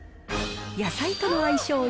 野菜との相性